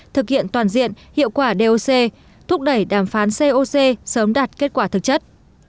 thực hiện toàn diện hiệu quả doc thúc đẩy đàm phán coc sớm đạt kết quả thực chất